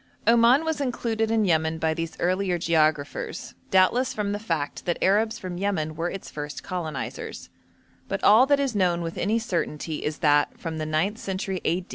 Oman was included in Yemen by these earlier geographers, doubtless from the fact that Arabs from Yemen were its first colonisers; but all that is known with any certainty is that, from the ninth century a.